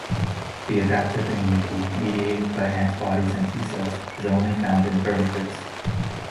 The adaptive immunity, mediated by antibodies and T cells, is only found in vertebrates.